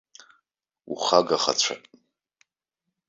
Ухагахацәап.